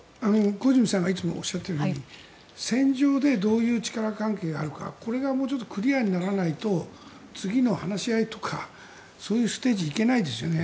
小泉さんがいつもおっしゃっているように戦場でどういう力関係があるかもうちょっとクリアにならないと次の話し合いとかそういうステージにいけないですよね。